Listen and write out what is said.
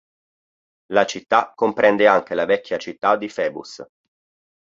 La città comprende anche la vecchia città di Phoebus.